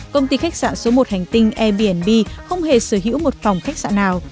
công ty khách sạn số một hành tinh airbnb không hề sở hữu một phòng khách sạn nào